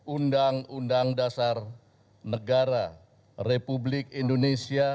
undang undang dasar negara republik indonesia